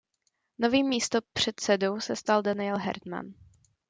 Novým místopředsedou se stal Daniel Herman.